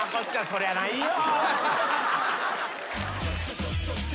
そりゃないよ。